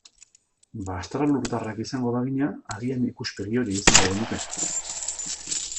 Bada, estralurtarrak izango bagina, agian ikuspegi hori izango genuke.